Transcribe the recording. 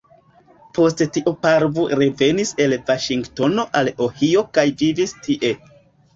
Post tio Parvu revenis el Vaŝingtono al Ohio kaj vivis tie.